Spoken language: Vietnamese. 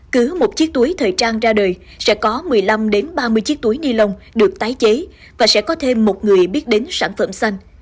cứ một chiếc túi thời trang ra đời sẽ có một mươi năm ba mươi chiếc túi ni lông được tái chế và sẽ có thêm một người biết đến sản phẩm xanh